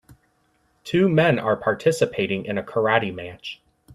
Two men are participating in a karate match.